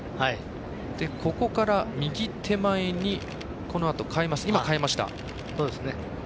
ここから、右手前にこのあと、かわります。